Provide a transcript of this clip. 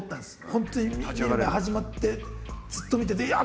本当に始まってずっと見てていや